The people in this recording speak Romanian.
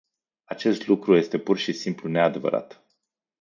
Acest lucru este pur și simplu neadevărat.